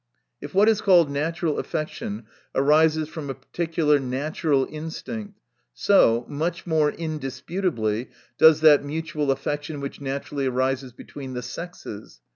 If what is called natural affection, arises from a particular natural instinct, so, much more indisputably does that mutual affection which naturally arises between the sexes.